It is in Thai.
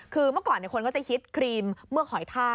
คือเมื่อก่อนคนก็จะฮิตครีมเมือกหอยท่า